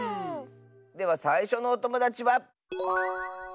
ではさいしょのおともだちは。